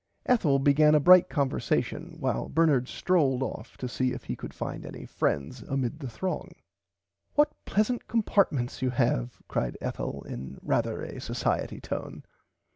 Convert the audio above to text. Ethel began a bright conversatiun while Bernard stroled off to see if he could find any friends amid the throng. [Pg 82] What pleasant compartments you have cried Ethel in rarther a socierty tone.